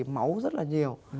máu rất là nhiều